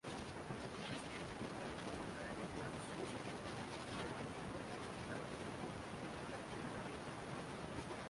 The streetcar line consisted of one railway track and an overhead electric wire.